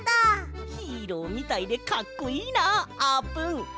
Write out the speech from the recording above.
ヒーローみたいでかっこいいなあーぷん。